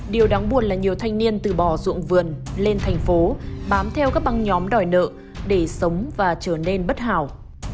điều đáng buồn là nhiều thanh niên từ bỏ ruộng vườn lên thành phố bám theo các băng nhóm đòi nợ để sống và trở nên bất hảo